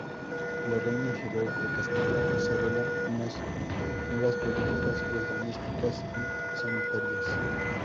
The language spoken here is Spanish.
La reina Isabel de Castilla desarrolla unas nuevas políticas urbanísticas y sanitarias.